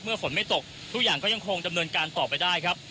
ฝนไม่ตกทุกอย่างก็ยังคงดำเนินการต่อไปได้ครับ